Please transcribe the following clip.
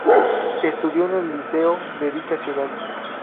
Estudio en el Liceo de dicha ciudad.